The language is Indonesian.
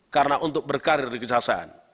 karena untuk berkarir di kejaksaan